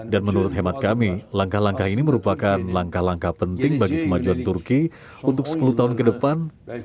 dan menurut hemat kami langkah langkah ini merupakan langkah langkah penting bagi kemajuan turki untuk sepuluh tahun ke depan